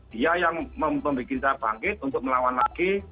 dia yang membuat saya bangkit untuk melawan lagi